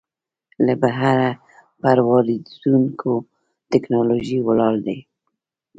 له بهره پر واردېدونکې ټکنالوژۍ ولاړ دی.